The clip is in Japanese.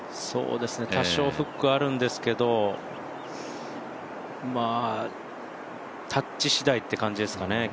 多少、フックあるんですけどタッチしだいという感じですかね。